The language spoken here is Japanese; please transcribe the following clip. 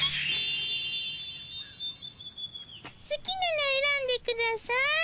すきなのえらんでください。